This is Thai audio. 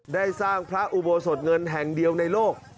ได้สร้างพระอุโบสถเงินแห่งเดียวในโลก